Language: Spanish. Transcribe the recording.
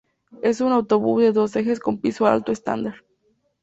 Es un autobús de dos ejes con piso alto estándar.